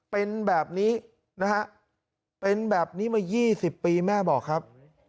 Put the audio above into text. เป็นแบบนี้นะฮะเป็นแบบนี้มา๒๐ปีแม่บอกครับ